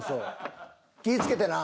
気ぃつけてな。